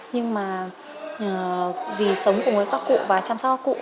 nhưng mà vì sống cùng với các cụ và chăm sóc các cụ